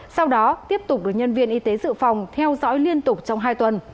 sau đó tiếp tục được nhân viên y tế dự phòng theo dõi liên tục trong hai tuần